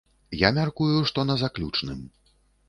Я мяркую, што на заключным.